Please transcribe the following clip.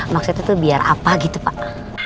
maksudnya tuh biar apa gitu pak